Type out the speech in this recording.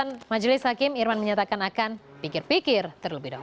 irman terbukti menerima gratifikasi sebesar seratus juta rupiah